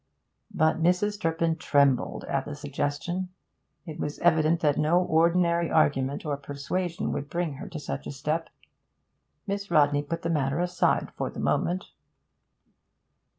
But Mrs. Turpin trembled at the suggestion. It was evident that no ordinary argument or persuasion would bring her to such a step. Miss Rodney put the matter aside for the moment.